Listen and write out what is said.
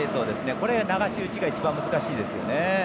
これ、流し打ちが一番難しいですよね。